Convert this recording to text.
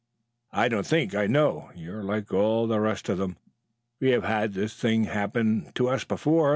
"I don't think. I know. You're like all the rest of them. We have had this thing happen to us before.